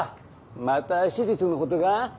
また手術のことか？